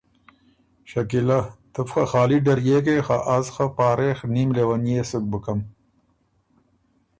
شکیلۀ: تو بو خه خالی ډريېکې خه از خه پاراخه نېم لونيې سُک بُکم۔